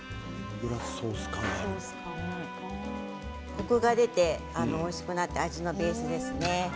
コクが出ておいしくなって味のベースですね。